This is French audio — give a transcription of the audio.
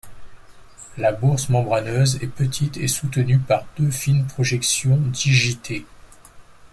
La bourse membraneuse est petite et soutenue par deux fines projections digitées.